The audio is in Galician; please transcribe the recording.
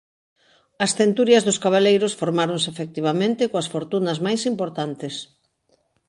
As centurias dos cabaleiros formáronse efectivamente coas fortunas máis importantes.